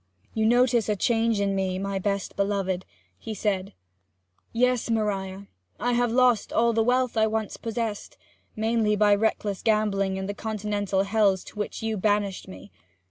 'You notice a change in me, my best beloved,' he said. 'Yes, Maria I have lost all the wealth I once possessed mainly by reckless gambling in the Continental hells to which you banished me.